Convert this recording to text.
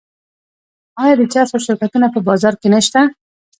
آیا د چرسو شرکتونه په بازار کې نشته؟